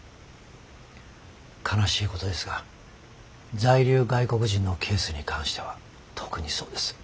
悲しいことですが在留外国人のケースに関しては特にそうです。